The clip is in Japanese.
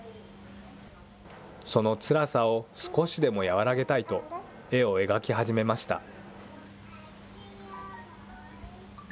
そのつらさを少しでも和らげたいと絵を描き始めました。